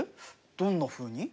どんなふうに？